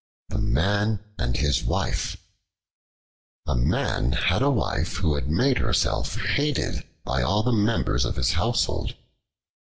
The Man and His Wife A MAN had a Wife who made herself hated by all the members of his household.